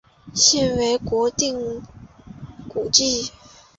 现为国定古迹。